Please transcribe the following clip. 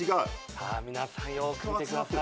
さぁ皆さんよく見てください。